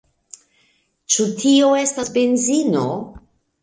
Ĉu tio estas benzino?